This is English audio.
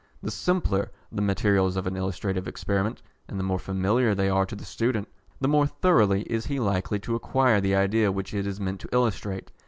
The simpler the materials of an illustrative experiment, and the more familiar they are to the student, the more thoroughly is he likely to acquire the idea which it is meant to illustrate.